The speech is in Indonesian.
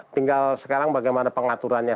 tinggal sekarang bagaimana pengaturannya